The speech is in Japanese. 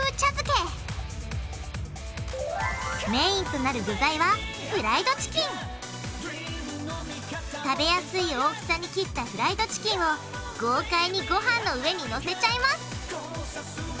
メインとなる具材は食べやすい大きさに切ったフライドチキンを豪快にごはんの上にのせちゃいます！